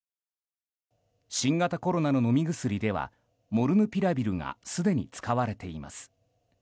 新型コロナの飲み薬ではモルヌピラビルがすでに使われています。